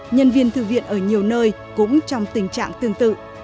nhân viên thư viện ở nhiều nơi cũng trong tình trạng tương tự